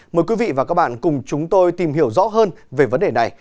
mời quý vị và các bạn cùng chúng tôi tìm hiểu rõ hơn về vấn đề này